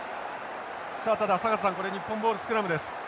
さあただ坂田さん日本ボールスクラムです。